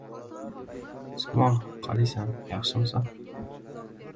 Ayolimiz bir munkib oldi.